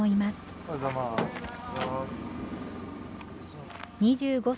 おはようございます。